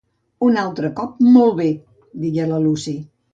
"Un altre cop, molt bé", digué la Lucy.